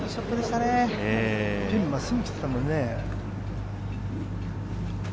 ピン、真っすぐ来てたもんね。